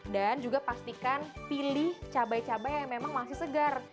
dan juga pastikan pilih cabai cabai yang memang masih segar